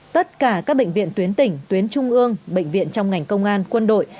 tất cả các bệnh viện tuyến tỉnh tuyến trung ương bệnh viện trong ngành công an quân đội